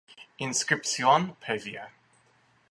Inscripción previa.